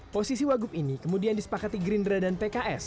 posisi wagub ini kemudian disepakati gerindra dan pks